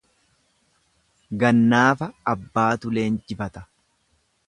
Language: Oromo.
Gannaafa abbaatu leenjifata.